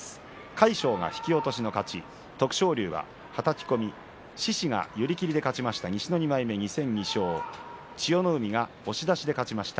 魁勝が引き落としの勝ち徳勝龍ははたき込み獅司が寄り切りでした寄り切りで勝ちました。